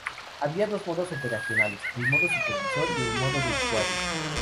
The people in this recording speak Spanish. Había dos modos operacionales, el modo supervisor y el modo de usuario.